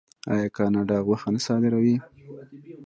آیا کاناډا غوښه نه صادروي؟